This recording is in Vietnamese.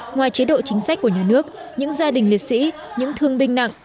ngoài chế độ chính sách của nhà nước những gia đình liệt sĩ những thương binh nặng